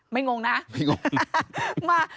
ไม่งงมา